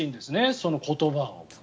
その言葉を。